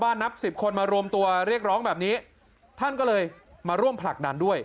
บ้านนับ๑๐คนมารวมตัวเรียกร้องแบบนี้ท่านก็เลยมาร่วมผลัก